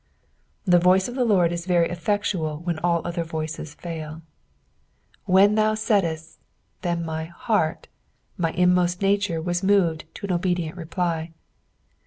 The voice of the Lord is, very effectual where all other voices fail. " When thcu taidtt," thea my "heart," my inmost nature was moved to an obedient reply.